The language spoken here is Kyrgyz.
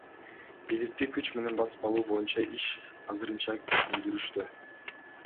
Бийликти күч менен басып алуу боюнча иш азырынча өндүрүштө.